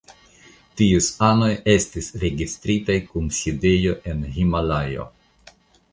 Ties anoj estis registritaj kun sidejo en Himalajo.